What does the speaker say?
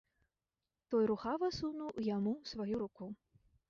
Той рухава сунуў яму сваю руку.